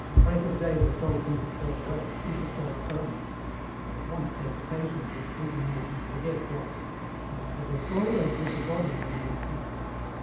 59 break of day the soul thinks itself well, thinks itself firmer, and at once takes occasion of this fleeting energy to forget God. It is with the soul as with the body when it is sick.